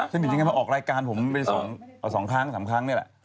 สนิทกับเธอออกรายการผมไปสองครั้งสามครั้งนี่แหละ